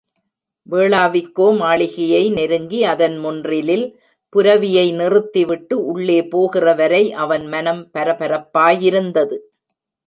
வேளாவிக்கோ மாளிகையை நெருங்கி அதன் முன்றிலில் புரவியை நிறுத்திவிட்டு உள்ளே போகிறவரை அவன் மனம் பரபரப்பாயிருந்தது.